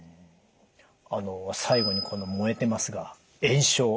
あの最後にこの燃えてますが炎症。